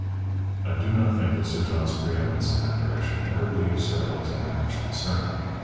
I do not think that Sir John's pre eminence in that direction ever gave Sir Alexander much concern.